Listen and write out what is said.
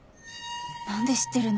何で知ってるの？